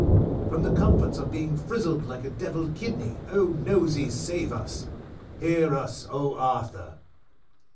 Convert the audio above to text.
_ "From the comforts of being frisled like a devil'd kidney. Oh! Nosey save us. "_Hear us, Oh Arthur.